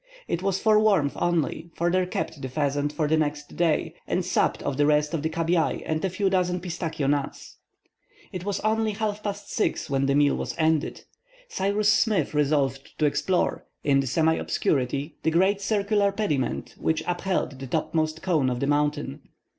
It was for warmth only, for they kept the pheasant for the next day, and supped off the rest of the cabiai and a few dozen pistachio nuts. It was only half past 6 when the meal was ended. Cyrus Smith resolved to explore, in, the semi obscurity, the great circular pediment which upheld the topmost cone of the mountain.